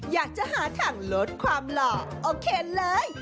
อยากจะหาทางลดความหล่อโอเคเลย